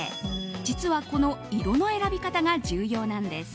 実はこの色の選び方が重要なんです。